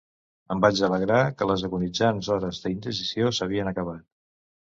Em vaig alegrar que les agonitzants hores d'indecisió s'havien acabat.